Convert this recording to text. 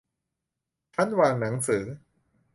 ชั้นวางหนังสือ